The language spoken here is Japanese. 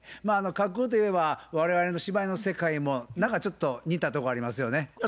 まあ架空といえば我々の芝居の世界も何かちょっと似たとこありますよね。